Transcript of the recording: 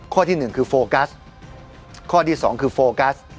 ข้อที่๑คือโฟกัสข้อที่๒คือโฟกัส